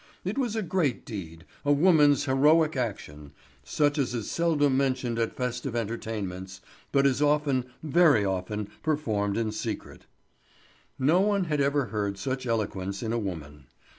It was a great deed, a woman's heroic action, such as is seldom mentioned at festive entertainments, but is often, very often performed in secret. No one had ever heard such eloquence in a woman.